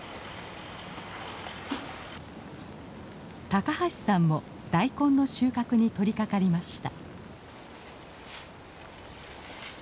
高橋さんも大根の収穫に取りかかりました。